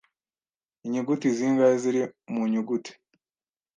Inyuguti zingahe ziri mu nyuguti?